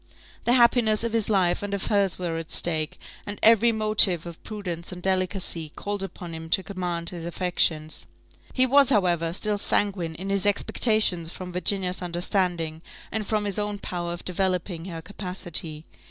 The happiness of his life and of hers were at stake, and every motive of prudence and delicacy called upon him to command his affections. He was, however, still sanguine in his expectations from Virginia's understanding, and from his own power of developing her capacity.